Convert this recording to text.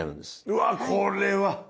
うわこれは！